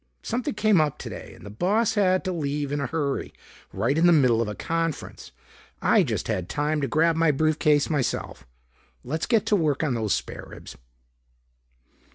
Something came up today and the boss had to leave in a hurry right in the middle of a conference. I just had time to grab my briefcase myself. Let's get to work on those spare ribs."